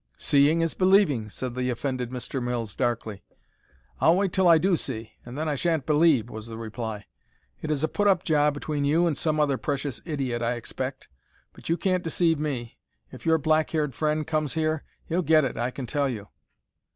"Seeing is believing," said the offended Mr. Mills, darkly. "I'll wait till I do see, and then I sha'n't believe," was the reply. "It is a put up job between you and some other precious idiot, I expect. But you can't deceive me. If your black haired friend comes here, he'll get it, I can tell you."